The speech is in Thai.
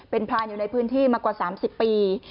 เป็นพรานอยู่ในพื้นที่มากว่า๓๐ปี